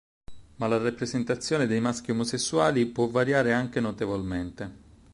Ma la rappresentazione dei maschi omosessuali può variare anche notevolmente.